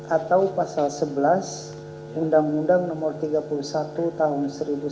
atau pasal sebelas undang undang nomor tiga puluh satu tahun seribu sembilan ratus sembilan puluh